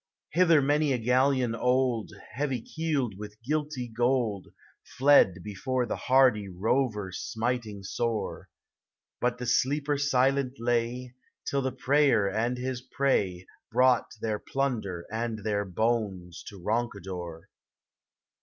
Hither many a galleon old, Heavy keeled with guilty gold, Fled before the hardy rover smiting sore; But the sleeper silent lay Till the preyer and his prey Brought their plunder and their bones to Ronca dor.